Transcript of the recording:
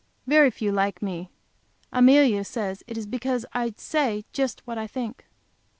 Very few like me. Amelia says it is because I say just what I think.